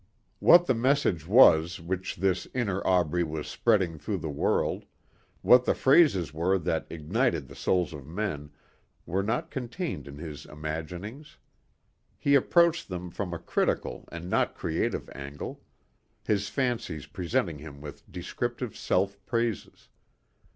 What the message was which this inner Aubrey was spreading through the world, what the phrases were that ignited the souls of men, were not contained in his imaginings. He approached them from a critical and not creative angle his fancies presenting him with descriptive self praises.